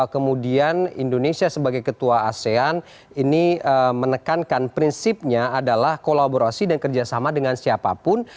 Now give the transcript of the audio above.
kemudian indonesia sebagai ketua asean ini menekankan prinsipnya adalah kolaborasi dan kerjasama dengan siapapun